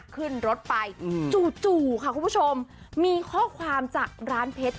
ขึ้นรถไปอืมจู่จู่ค่ะคุณผู้ชมมีข้อความจากร้านเพชร